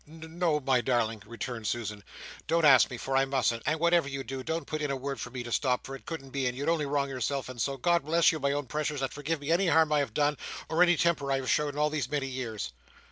"No n no, my darling," returned Susan. "Don't ask me, for I mustn't, and whatever you do don't put in a word for me to stop, for it couldn't be and you'd only wrong yourself, and so God bless you my own precious and forgive me any harm I have done, or any temper I have showed in all these many years!"